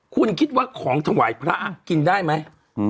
คุณคิดว่าของถวายพระกินได้ไหม